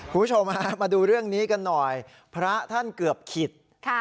คุณผู้ชมฮะมาดูเรื่องนี้กันหน่อยพระท่านเกือบขิด